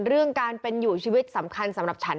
เรื่องการเป็นอยู่ชีวิตสำคัญสำหรับฉัน